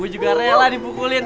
gue juga rela dipukulin